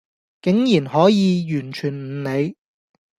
竟然可以完全唔理